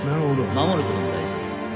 守る事も大事です。